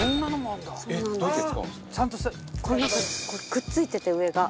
くっついてて上が。